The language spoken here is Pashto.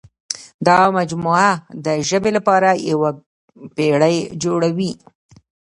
دا مجموعه د ژبې لپاره یوه پېړۍ جوړوي.